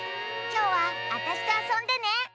きょうはあたしとあそんでね！